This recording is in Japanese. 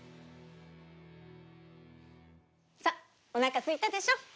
さあおなかすいたでしょ？